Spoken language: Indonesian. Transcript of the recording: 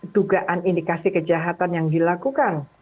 dugaan indikasi kejahatan yang dilakukan